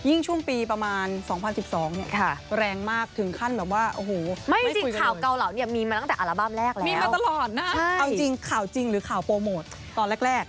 ยิ่งช่วงปีประมาณ๒๐๑๒เนี่ยแรงมากถึงขั้นแบบว่าโอ้โหไม่คุยกันเลย